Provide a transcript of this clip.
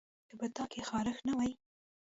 که په تا کې خارښت نه وای